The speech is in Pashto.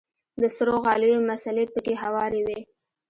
د سرو غاليو مصلې پکښې هوارې وې.